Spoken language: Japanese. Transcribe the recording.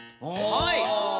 はい。